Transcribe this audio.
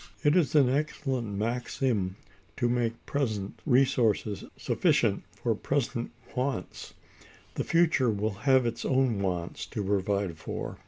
It is an excellent maxim to make present resources suffice for present wants; the future will have its own wants to provide for.